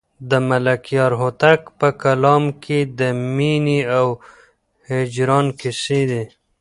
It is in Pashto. د ملکیار هوتک په کلام کې د مینې او هجران کیسې دي.